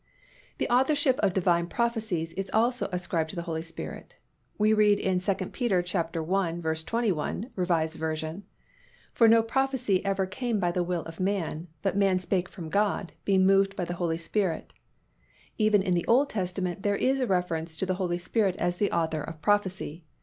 The authorship of Divine prophecies is also ascribed to the Holy Spirit. We read in 2 Pet. i. 21, R. V., "For no prophecy ever came by the will of man: but men spake from God, being moved by the Holy Ghost." Even in the Old Testament, there is a reference to the Holy Spirit as the author of prophecy.